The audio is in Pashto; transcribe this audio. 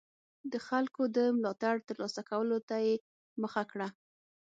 د خلکو د ملاتړ ترلاسه کولو ته یې مخه کړه.